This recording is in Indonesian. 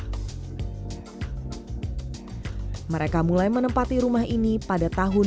musik mereka mulai menempati rumah ini pada tahun dua ribu dua puluh